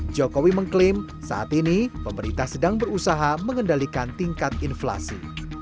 jokowi mengklaim saat ini pemerintah sedang berusaha mengendalikan tingkat inflasi